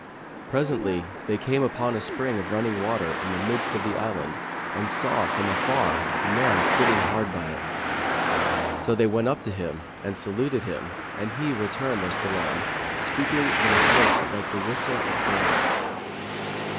Presently they came upon a spring of running water in the midst of the island and saw from afar a man sitting hard by it. So they went up to him and saluted him, and he returned their salam, speaking in a voice like the whistle[FN#538] of birds.